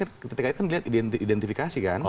nah ini ketika itu kan dilihat identifikasi kan